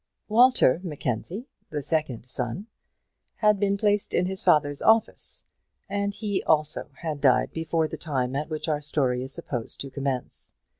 Walter Mackenzie, the second son, had been placed in his father's office, and he also had died before the time at which our story is supposed to commence.